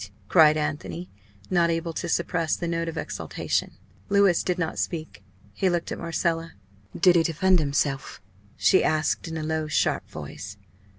cried Anthony, not able to suppress the note of exultation. Louis did not speak. He looked at Marcella. "Did he defend himself?" she asked in a low, sharp voice.